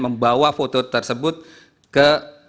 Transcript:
membawa foto tersebut ke